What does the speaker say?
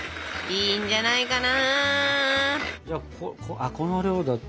いいんじゃないかな。